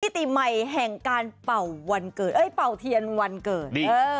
ติใหม่แห่งการเป่าวันเกิดเอ้ยเป่าเทียนวันเกิด